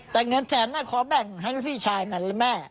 แต่เงินแสนขอแบ่งให้พี่ชายมันเลยแม่